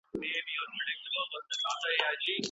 دوی دي سره کښيني او بحث دي سره وکړي.